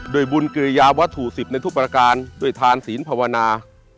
โดยบุญเกรยาวัตถุสิบในทุกประการโดยทานศีลภาวนา